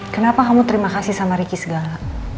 kenapa kamu terima kasih sama ricky segala